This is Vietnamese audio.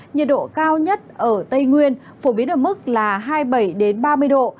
nhiệt độ cao nhất ở tây nguyên phổ biến ở mức là hai mươi bảy ba mươi độ